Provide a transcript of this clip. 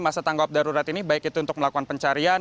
masa tanggap darurat ini baik itu untuk melakukan pencarian